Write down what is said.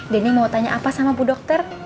denny mau tanya apa sama bu dokter